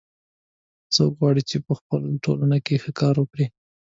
څوک غواړي چې په خپل ټولنه کې ښه کار وکړي